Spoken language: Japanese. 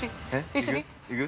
一緒に？